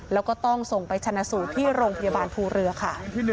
แล้วก็ต้องส่งไปชนะสูตรที่โรงพยาบาลภูเรือค่ะ